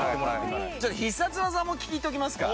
必殺技も聞いときますか？